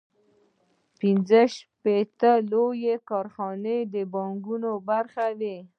پنځه ویشت لویې کارخانې د بانکونو برخه وې